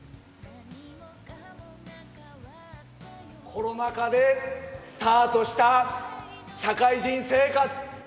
コロナ禍でスタートした社会人生活。